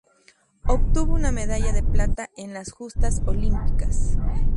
Obtuvo una medalla de plata en las justas olímpicas.